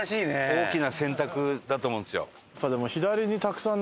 大きな選択だと思うんですよ。